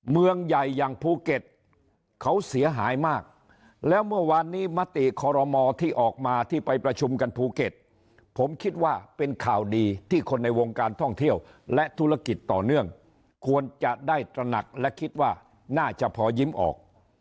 เมืองใหญ่อย่างภูเก็ตเขาเสียหายมากแล้วเมื่อวานนี้มติคอรมอที่ออกมาที่ไปประชุมกันภูเก็ตผมคิดว่าเป็นข่าวดีที่คนในวงการท่องเที่ยวและธุรกิจต่อเนื่องควรจะได้ตระหนักและคิดว่าน่าจะพอยิ้มออก